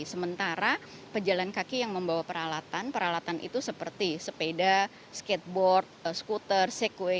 sementara pejalan kaki yang membawa peralatan peralatan itu seperti sepeda skateboard skuter sekeway